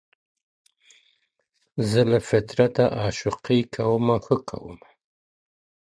زه له فطرته عاشقي کومه ښه کومه ,